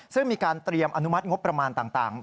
ซึ่งมีการเตรียมอนุมัติงบประมาณต่าง